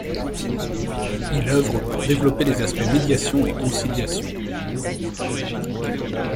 Il œuvre pour développer les aspects médiation et conciliation.